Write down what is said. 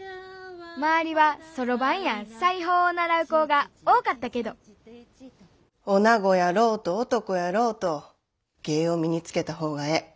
周りはソロバンや裁縫を習う子が多かったけどおなごやろうと男やろうと芸を身につけた方がええ。